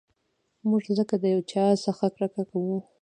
موږ ځکه د یو چا څخه کرکه کوو.